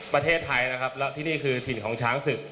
ประเทศไทยนะครับแล้วที่นี่คือถิ่นของช้างศึก